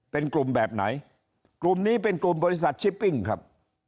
เป็นกลุ่มแบบไหนกลุ่มนี้เป็นกลุ่มบริษัทชิปปิ้งครับ